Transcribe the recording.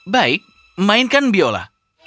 baik mainkan biola